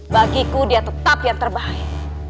bagiku dia tetap yang terbaik